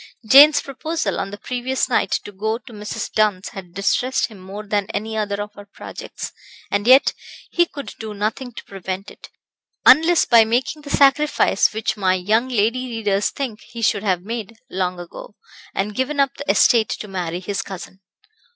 Jane's proposal on the previous night to go to Mrs. Dunn's had distressed him more than any other of her projects, and yet he could do nothing to prevent it, unless by making the sacrifice which my young lady readers think he should have made long ago, and given up the estate to marry his cousin.